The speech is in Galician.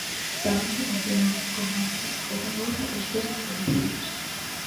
Tamén se manterán como até o de agora os test nos domicilios.